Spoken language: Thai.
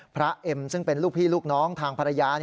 เอ็มซึ่งเป็นลูกพี่ลูกน้องทางภรรยา